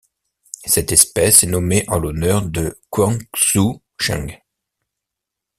Cette espèce est nommée en l'honneur de Guang-xu Cheng.